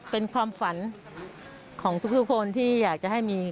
เป็นความฝันของทุกคนที่อยากจะให้มี